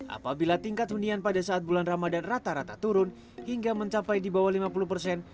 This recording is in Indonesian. apabila tingkat hunian pada saat bulan ramadan rata rata turun hingga mencapai di bawah lima puluh persen